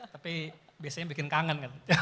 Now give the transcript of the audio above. tapi biasanya bikin kangen